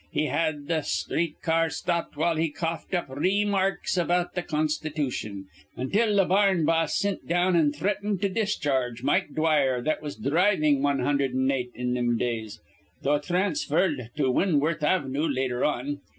He had th' sthreet car stopped while he coughed up ree marks about th' Constitution, until th' bar rn boss sint down an' threatened to discharge Mike Dwyer that was dhrivin' wan hundherd an' eight in thim days, though thransferred to Wintworth Avnoo later on.